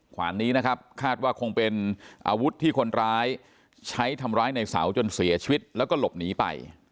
ขวานนี้นะครับคาดว่าคงเป็นอาวุธที่คนร้ายใช้ทำร้ายในเสาจนเสียชีวิตแล้วก็หลบหนีไป